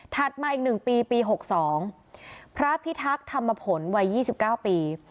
มาอีก๑ปีปี๖๒พระพิทักษ์ธรรมผลวัย๒๙ปี